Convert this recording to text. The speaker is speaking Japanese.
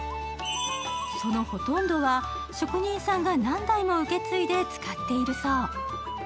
そのほとんどは、職人さんが何代も受け継いで使っているそう。